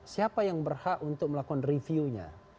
siapa yang berhak untuk melakukan reviewnya